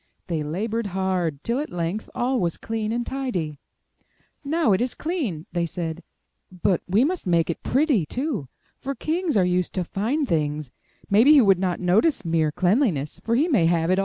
They labored hard, till at length all was clean and tidy. Now it is clean!" they said. *'But we must make it pretty, too, for kings are used to fine things; maybe he would not notice mere cleanliness, for he may have it all the time."